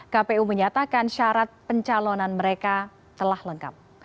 kpu menyatakan syarat pencalonan mereka telah lengkap